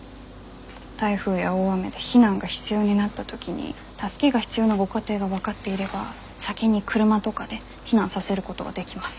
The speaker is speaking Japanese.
台風や大雨で避難が必要になった時に助けが必要なご家庭が分かっていれば先に車とかで避難させることができます。